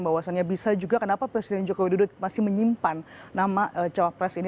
bahwasannya bisa juga kenapa presiden jokowi dodo masih menyimpan nama capak pres ini